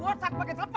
bosak pakai terlepas